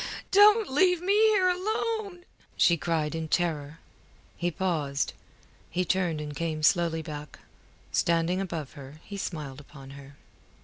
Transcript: Don't leave me here alone!" she cried in terror. He paused. He turned and came slowly back. Standing above her he smiled upon her.